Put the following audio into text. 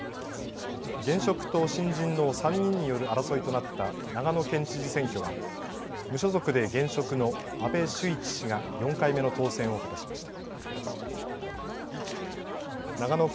現職と新人の３人による争いとなった長野県知事選挙は無所属で現職の阿部守一氏が４回目の当選を果たしました。